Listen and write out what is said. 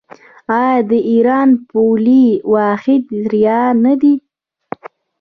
آیا د ایران پولي واحد ریال نه دی؟